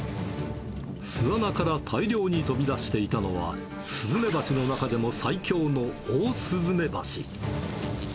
巣穴から大量に飛び出していたのは、スズメバチの中でも最強のオオスズメバチ。